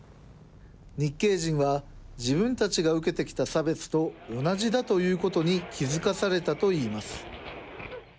日系人は自分たちが受けてきた差別と同じだということに気付かされたといいます。